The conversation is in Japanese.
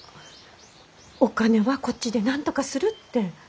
お金はこっちでなんとかするって。